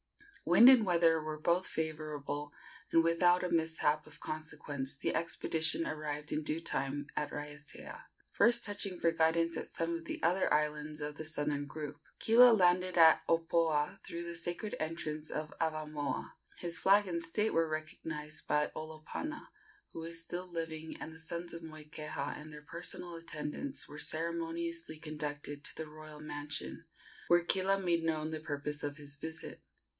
Wind and weather were both favorable, and without a mishap of consequence the expedition arrived in due time at Raiatea, first touching for guidance at some of the other islands of the southern group. Kila landed at Opoa through the sacred entrance of Avamoa. His flag and state were recognized by Olopana, who was still living, and the sons of Moikeha and their personal attendants were ceremoniously conducted to the royal mansion, where Kila made known the purpose of his visit.